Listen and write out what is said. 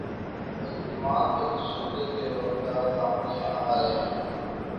ملزمان پر تشدد کے واقعات سامنے آ رہے ہیں